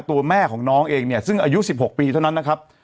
ตัวแม่ของน้องเองเนี่ยซึ่งอายุ๑๖ปีเท่านั้นนะครับ